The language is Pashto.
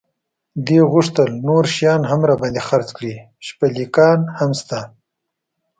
دې غوښتل نور شیان هم را باندې خرڅ کړي، شپلېکان هم شته.